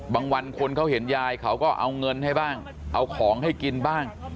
วันคนเขาเห็นยายเขาก็เอาเงินให้บ้างเอาของให้กินบ้าง